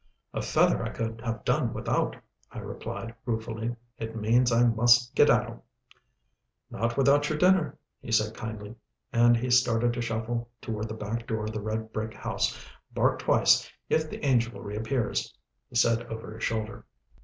"A feather I could have done without," I replied ruefully. "It means I must skedaddle." "Not without your dinner," he said kindly, and he started to shuffle toward the back door of the red brick house. "Bark twice, if the angel re appears," he said over his shoulder.